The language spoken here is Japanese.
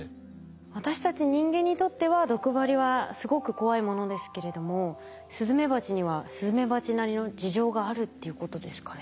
私たち人間にとっては毒針はすごく怖いものですけれどもスズメバチにはスズメバチなりの事情があるっていうことですかね？